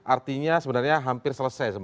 artinya sebenarnya hampir selesai